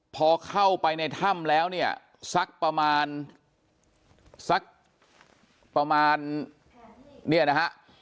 พอเข้าไปในถ้ำแล้วเนี่ยสักประมาณสักประมาณเนี่ยนะฮะ